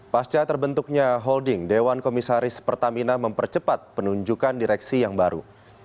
pasca terbentuknya holding dewan komisaris pertamina mempercepat penunjukan direksi yang baru